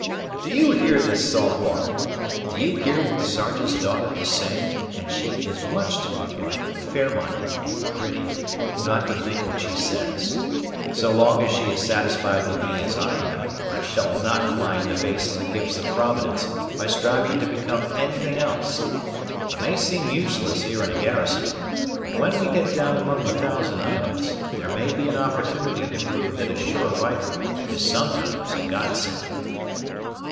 "Do you hear this, Saltwater? do you hear what the Sergeant's daughter is saying, and she is much too upright, and fair minded, and pretty, not to think what she says. So long as she is satisfied with me as I am, I shall not fly in the face of the gifts of Providence, by striving to become anything else. I may seem useless here in a garrison; but when we get down among the Thousand Islands, there may be an opportunity to prove that a sure rifle is sometimes a Godsend."